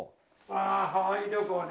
ああハワイ旅行ね。